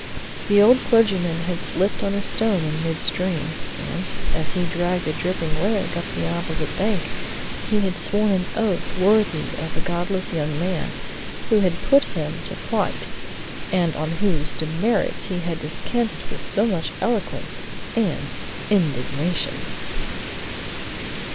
The old clergyman had slipped on a stone in mid stream, and, as he dragged a dripping leg up the opposite bank, he had sworn an oath worthy of the "godless young man" who had put him to flight, and on whose demerits he had descanted with so much eloquence and indignation.